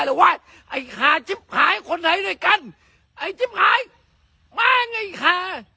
หรือว่าไอ้ขาจิ๊บหายคนไหนด้วยกันไอ้จิ๊บหายมาไงขา